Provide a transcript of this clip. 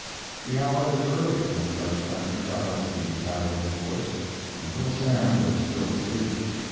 The hour was early when Judge Clemens got up to saddle his horse, and Little Sam was still asleep.